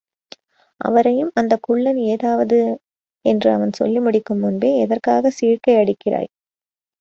அவரையும் அந்தக் குள்ளன் ஏதாவது... என்று அவன் சொல்லி முடிக்கு முன்பே, எதற்காகச் சீழ்க்கையடிக்கிறாய்?